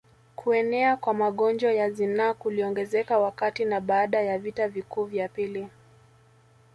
Kuenea kwa magonjwa ya zinaa kuliongezeka wakati na baada ya vita vikuu vya pili